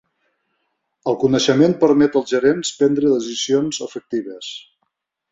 El coneixement permet als gerents prendre decisions efectives.